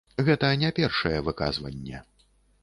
Гэта не першае выказванне.